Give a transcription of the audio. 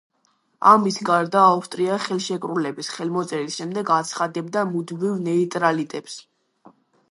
ამის გარდა ავსტრია ხელშეკრულების ხელმოწერის შემდეგ აცხადებდა მუდმივ ნეიტრალიტეტს.